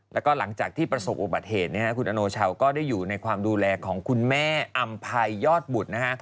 แล้วก็หลังจากที่ประสบอุบัติเหตุคุณอโนชาวก็ได้อยู่ในความดูแลของคุณแม่อำภัยยอดบุตรนะฮะ